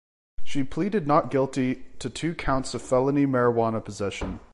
She pleaded not guilty to two counts of felony marijuana possession.